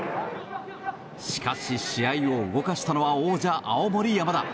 しかし、試合を動かしたのは王者・青森山田。